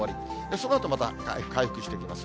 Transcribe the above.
そのあとまた回復してきます。